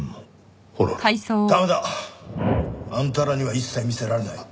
駄目だ！あんたらには一切見せられない。